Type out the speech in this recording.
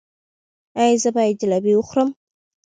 ایا زه باید جلبي وخورم؟